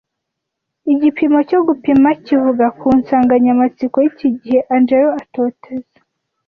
Igipimo cyo gupima kivuga ku nsanganyamatsiko y'iki gihe Angelo atoteza